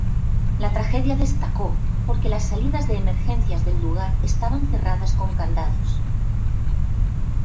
La tragedia destacó porque las salidas de emergencias del lugar estaban cerradas con candados.